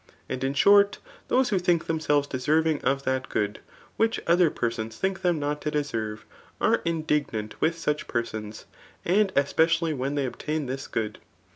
And in short, those whoi think themselves deserving of that good, which other persons think th^m* rtbt to deserve, are indignant with such persons, and especially whea they obnuri this good.